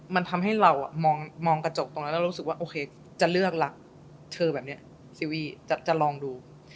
มันทำให้เรามองกระจกตรงนั้นแล้วรู้สึกว่าโอเคจะเลือกล่ะเธอแบบนี้ซีวีจะลองดู